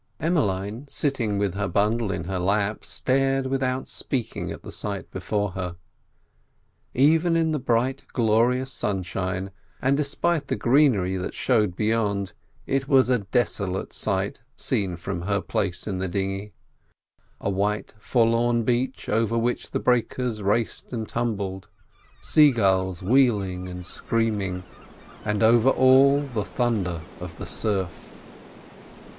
Emmeline, sitting with her bundle in her lap, stared without speaking at the sight before her. Even in the bright, glorious sunshine, and despite the greenery that showed beyond, it was a desolate sight seen from her place in the dinghy. A white, forlorn beach, over which the breakers raced and tumbled, sea gulls wheeling and screaming, and over all the thunder of the surf.